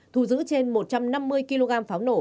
thu giữ trên một trăm năm mươi kg pháo nổ